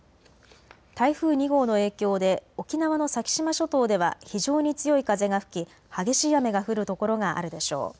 台風２号の影響で沖縄の先島諸島では非常に強い風が吹き激しい雨が降る所があるでしょう。